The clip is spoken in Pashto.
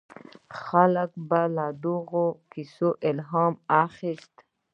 خلکو به له دغو کیسو الهام اخیست.